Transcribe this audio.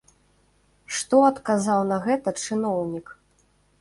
Што адказаў на гэта чыноўнік?